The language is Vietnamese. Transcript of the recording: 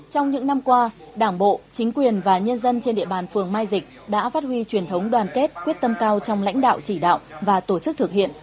trong những năm qua đảng bộ chính quyền và nhân dân trên địa bàn phường mai dịch đã phát huy truyền thống đoàn kết quyết tâm cao trong lãnh đạo chỉ đạo và tổ chức thực hiện